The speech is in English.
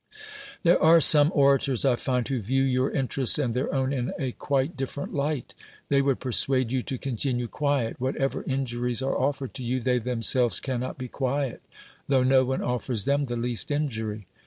There are some orators, I find, who view your interests and their own in a quite different light. They would persuade you to continue fiuiet, whatever injuries are offered to you, they them selves can not be quiet, tho no one off"ers them the least injury.